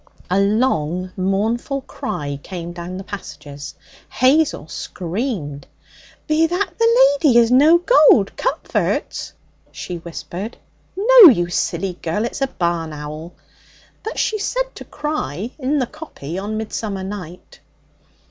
A long, mournful cry came down the passages. Hazel screamed. 'Be that the lady as no gold comforts?' she whispered. 'No, you silly girl. It's a barn owl. But she's said to cry in the coppy on Midsummer night.'